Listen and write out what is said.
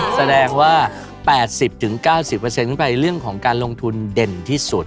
แสดงว่า๘๐๙๐ขึ้นไปเรื่องของการลงทุนเด่นที่สุด